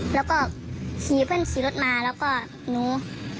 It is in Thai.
แล้วก็ขี่เพื่อนขี่รถมาแล้วก็หนู